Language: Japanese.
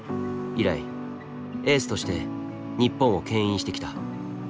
以来エースとして日本をけん引してきた。